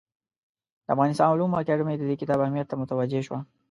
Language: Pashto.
د افغانستان علومو اکاډمي د دې کتاب اهمیت ته متوجه شوه.